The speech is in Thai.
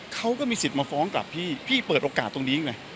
เขาก็มีสิทธิ์มาฟ้องกลับพี่พี่เปิดโอกาสตรงนี้ไง